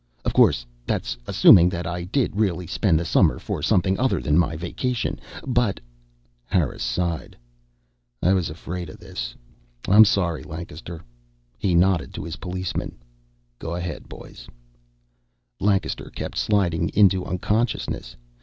"Of course, that's assuming that I did really spend the summer for something other than my vacation. But " Harris sighed. "I was afraid of this. I'm sorry, Lancaster." He nodded to his policemen. "Go ahead, boys." Lancaster kept sliding into unconsciousness.